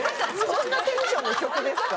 そんなテンションの曲ですか？